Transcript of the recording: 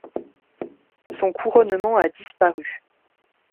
Son couronnement a disparu.